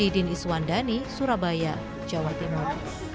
dari surabaya jawa timur